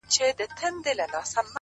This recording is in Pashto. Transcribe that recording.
پرمختګ د عادتونو د سمون پایله ده’